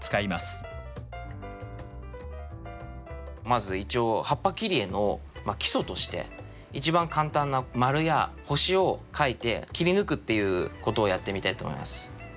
まず一応葉っぱ切り絵の基礎として一番簡単な丸や星を描いて切り抜くっていうことをやってみたいと思います。